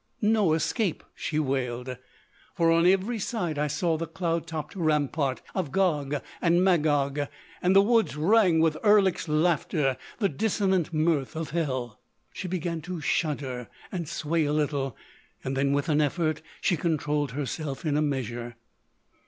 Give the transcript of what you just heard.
—no escape," she wailed. "For on every side I saw the cloud topped rampart of Gog and Magog, and the woods rang with Erlik's laughter—the dissonant mirth of hell——" She began to shudder and sway a little, then with an effort she controlled herself in a measure.